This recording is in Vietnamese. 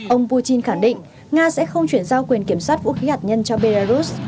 ông putin khẳng định nga sẽ không chuyển giao quyền kiểm soát vũ khí hạt nhân cho belarus